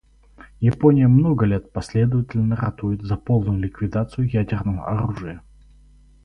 Япония много лет последовательно ратует за полную ликвидацию ядерного оружия.